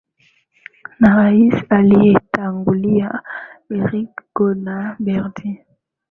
na rais aliyetangulia henry konan berdi